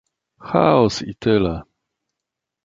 "Chaos i tyle“..."